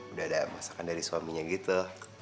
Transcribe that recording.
udah ada masakan dari suaminya gitu